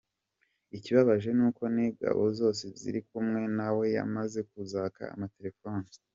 Ikibabaje nuko nigabo zose zirikumwe nawe yamaze kuzaka amatelephones.